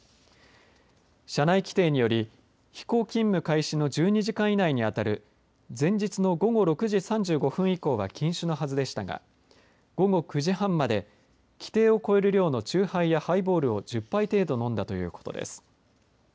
社内規程により飛行勤務開始の１２時間以内に当たる前日の午後６時３５分以降は禁止のはずでしたが午後９時半まで規定を超える量の酎ハイやハイボールを１０杯程度飲んだということです。